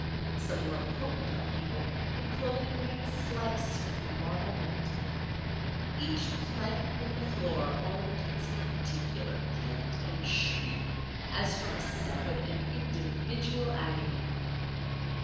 Some more potent upheaval had cloven a great slice from the marble mantel. Each plank in the floor owned its particular cant and shriek as from a separate and individual agony.